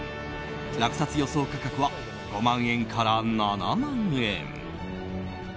落札予想価格は５万円から７万円。